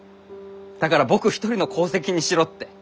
だから僕一人の功績にしろって。